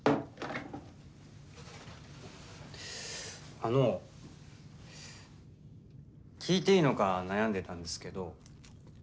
あの聞いていいのか悩んでたんですけど。